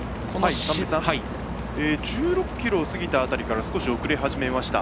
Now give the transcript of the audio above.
１６ｋｍを過ぎた辺りから少し遅れ始めました。